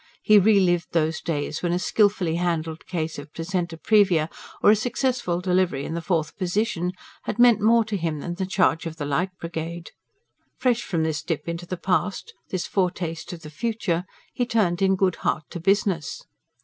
He re lived those days when a skilfully handled case of PLACENTA PREVIA, or a successful delivery in the fourth position, had meant more to him than the Charge of the Light Brigade. Fresh from this dip into the past, this foretaste of the future, he turned in good heart to business.